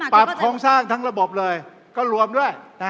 ปรับโครงสร้างทั้งระบบเลยก็รวมด้วย